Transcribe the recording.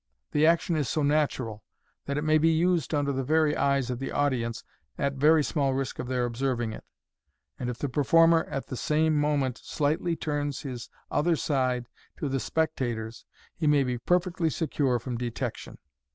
The action is so natural, that it may be used under the very eyes of the audience, at very small risk of their observing it ; and if the performer at the same moment slightly turns his other side to the spec tators, he may be perfectly secure from detection.